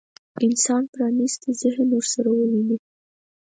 انسان پرانيستي ذهن ورسره وويني.